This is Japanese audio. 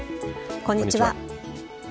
こんにちは。